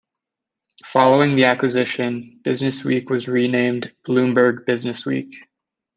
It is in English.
Following the acquisition, "Businessweek" was renamed "Bloomberg Businessweek".